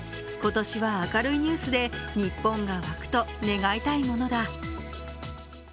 今年は明るいニュースで日本が沸くと願いたいものだ。